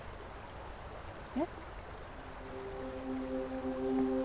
えっ？